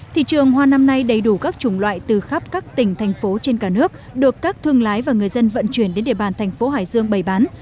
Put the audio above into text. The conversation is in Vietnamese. thị trường hoa năm nay đầy đủ các chủng loại từ khắp các tỉnh thành phố trên cả nước được các thương lái và người dân vận chuyển đến địa bàn thành phố hải dương bày bán